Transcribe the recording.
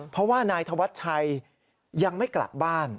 เพราะว่านายธวัชชัยยังไม่กลับบ้าน